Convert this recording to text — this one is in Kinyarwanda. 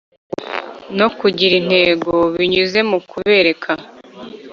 No kugira intego binyuze mu kubereka